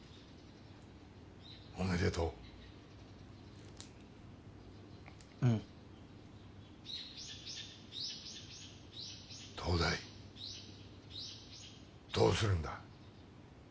おめでとううん東大どうするんだ？